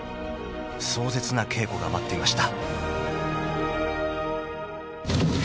［壮絶な稽古が待っていました］